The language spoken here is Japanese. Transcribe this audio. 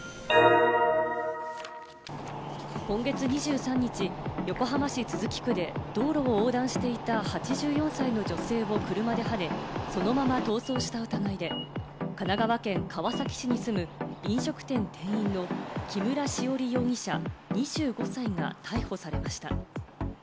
今月２３日、横浜市都筑区で道路を横断していた８４歳の女性を車ではね、そのまま逃走した疑いで神奈川県川崎市に住む飲食店店員の木村栞容疑者、２５歳が逮捕されました。